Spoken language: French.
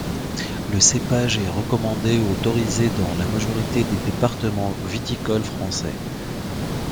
Le cépage est recommandé ou autorisé dans la majorité des départements viticoles français.